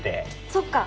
そっか！